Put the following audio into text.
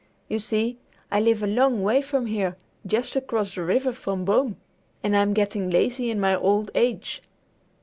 You see, I live a long way from here, just across the river from Boom, and I'm getting lazy in my old age.